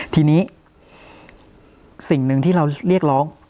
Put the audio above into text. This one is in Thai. ทีนี้สิ่งหนึ่งที่เราเรียกร้อง